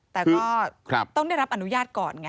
แต่ก็ต้องได้รับอนุญาตก่อนไง